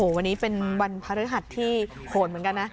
วันนี้เป็นวันพฤหัสที่โหดเหมือนกันนะ